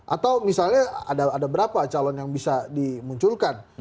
atau misalnya ada berapa calon yang bisa dimunculkan